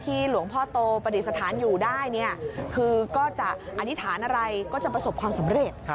ที่่ลุงพ่อโตประดิษฐานอยู่ได้ก็จะประสบความสำเร็จ